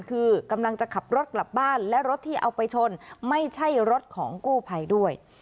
คือกำลังจะขับรถกลับบ้านและรถที่เอาไปชนไม่ใช่รถของกู้ภัยด้วย